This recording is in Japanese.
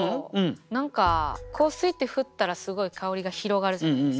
何か香水って振ったらすごい香りが広がるじゃないですか。